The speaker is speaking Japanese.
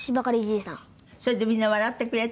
それでみんな笑ってくれた？